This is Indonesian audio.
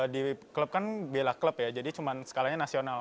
di klub kan bela klub ya jadi cuma skalanya nasional